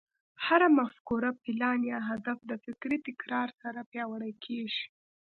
هره مفکوره، پلان، يا هدف د فکري تکرار سره پياوړی کېږي.